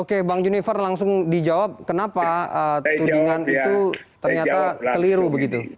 oke bang junifer langsung dijawab kenapa tudingan itu ternyata keliru begitu